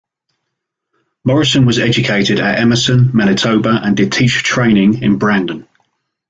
Morrison was educated at Emerson, Manitoba, and did teacher training in Brandon.